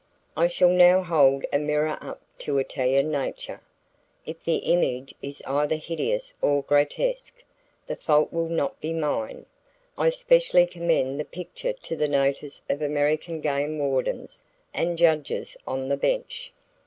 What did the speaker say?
I shall now hold a mirror up to Italian nature. If the image is either hideous or grotesque, the fault will not be mine. I specially commend the picture to the notice of American game wardens and judges on the bench.